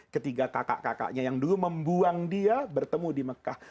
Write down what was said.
ketiga kakak kakaknya yang dulu membuang dia bertemu di mekah